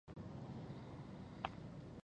بوره د بدن لپاره مهم کاربوهایډریټ لري.